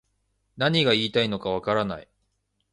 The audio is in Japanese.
何が言いたいのかわからない